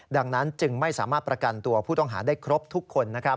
ดังนั้นจึงไม่สามารถประกันตัวผู้ต้องหาได้ครบทุกคน